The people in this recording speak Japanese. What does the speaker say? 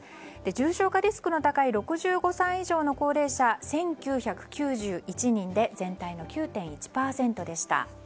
重症化リスクの高い６５歳以上の高齢者１９９１人で全体の９．１％でした。